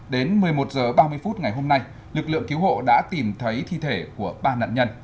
đến một mươi một h ba mươi phút ngày hôm nay lực lượng cứu hộ đã tìm thấy thi thể của ba nạn nhân